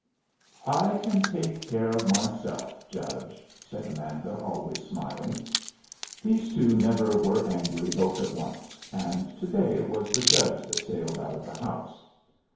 "I can take care of myself, judge," said Amanda, always smiling. These two never were angry both at once, and to day it was the judge that sailed out of the house.